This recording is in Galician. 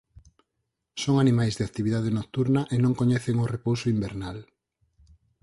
Son animais de actividade nocturna e non coñecen o repouso invernal.